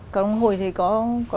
các ông hồi thì có